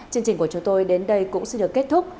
chương trình của chúng tôi đến đây cũng xin được kết thúc